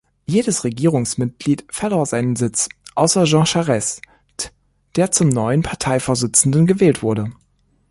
Jedes Regierungsmitglied verlor seinen Sitz, außer Jean Charest, der zum neuen Parteivorsitzenden gewählt wurde.